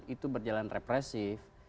itu berjalan represif